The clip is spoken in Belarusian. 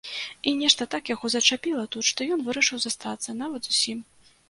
І нешта так яго зачапіла тут, што ён вырашыў застацца, нават зусім.